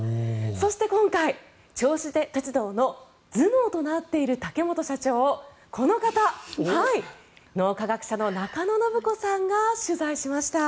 そして今回、銚子電鉄の頭脳となっている竹本社長をこの方、脳科学者の中野信子さんが取材しました。